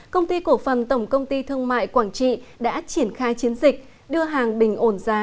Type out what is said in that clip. công ty cổ phần tổng công ty thương mại quảng trị đã triển khai chiến dịch đưa hàng bình ổn giá